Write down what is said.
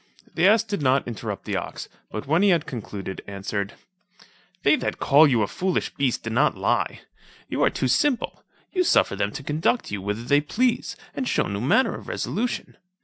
The ass did not interrupt the ox; but when he had concluded, answered, "They that called you a foolish beast did not lie. You are too simple; you suffer them to conduct you whither they please, and shew no manner of resolution.